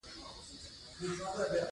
په بریده کې د یوې نجلۍ کیسه ده.